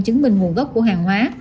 chứng minh nguồn gốc của hàng hóa